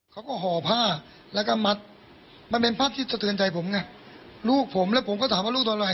เพื่อการประวิงเวลาของแม่เสือในการไปส่งโรงพยาบาล